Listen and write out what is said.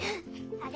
あれ？